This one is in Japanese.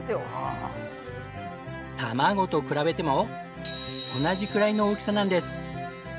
卵と比べても同じくらいの大きさなんです。